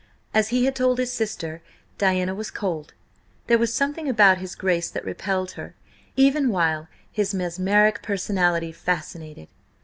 As he had told his sister, Diana was cold. There was something about his Grace that repelled her, even while his mesmeric personality fascinated.